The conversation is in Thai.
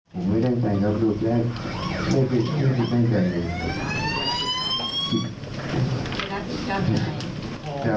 จะเอาให้จำไว้ผมว่าทำหรือว่ารักรับศัพท์สินทีเดียวแล้วก็ออกมา